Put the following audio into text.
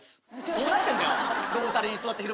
どうなってんだよ